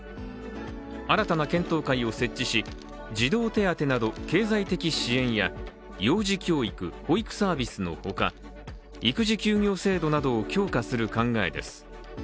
新たな検討会を設置し、児童手当など経済的支援や幼児教育・保育サービスのほか、育児休業制度などを強化する考えです。